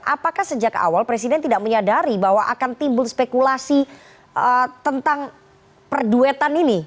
apakah sejak awal presiden tidak menyadari bahwa akan timbul spekulasi tentang perduetan ini